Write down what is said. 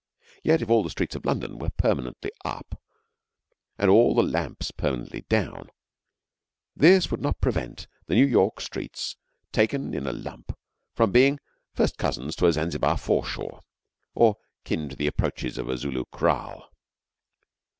Yet, if all the streets of London were permanently up and all the lamps permanently down, this would not prevent the New York streets taken in a lump from being first cousins to a Zanzibar foreshore, or kin to the approaches of a Zulu kraal.